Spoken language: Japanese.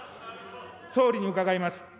総理に伺います。